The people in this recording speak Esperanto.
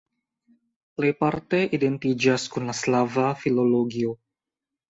Plejparte identiĝas kun la slava filologio.